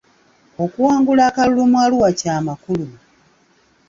Okuwangula akalulu mu Arua ky'amakulu .